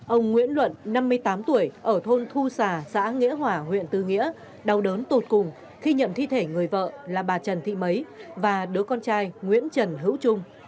ông nguyễn luận năm mươi tám tuổi ở thôn thu sà xã nghĩa hỏa huyện tư nghĩa đau đớn tụt cùng khi nhận thi thể người vợ là bà trần thị mấy và đứa con trai nguyễn trần hữu trung